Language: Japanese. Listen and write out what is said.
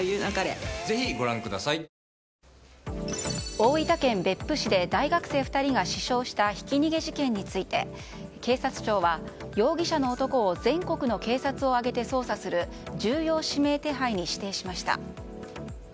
大分県別府市で大学生２人が死傷したひき逃げ事件について警察庁は容疑者の男を全国の警察を挙げて捜査する重要指名手配に指定しました。